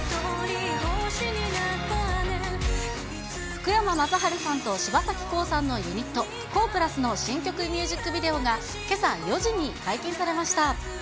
福山雅治さんと柴咲コウさんのユニット、ＫＯＨ＋の新曲ミュージックビデオがけさ４時に解禁されました。